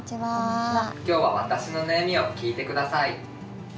今日は私の悩みを聞いて下さい。